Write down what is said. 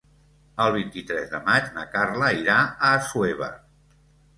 El vint-i-tres de maig na Carla irà a Assuévar.